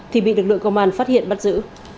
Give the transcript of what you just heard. thì bị lực lượng công an phát hiện bắt giữ